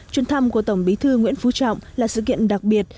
chuyến thăm của tổng bí thư nguyễn phú trọng là sự kiện đặc biệt